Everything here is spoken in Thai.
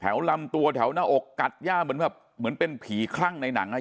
ลำตัวแถวหน้าอกกัดย่าเหมือนแบบเหมือนเป็นผีคลั่งในหนังอ่ะ